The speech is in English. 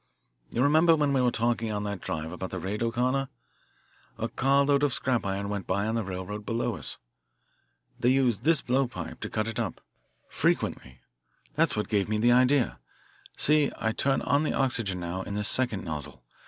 "You remember when we were talking on the drive about the raid, O'Connor? A car load of scrap iron went by on the railroad below us. They use this blowpipe to cut it up, frequently. That's what gave me the idea. See. I turn on the oxygen now in this second nozzle.